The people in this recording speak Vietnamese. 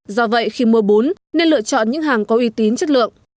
do vậy khi mua bún nên lựa chọn những hàng có uy tín chất lượng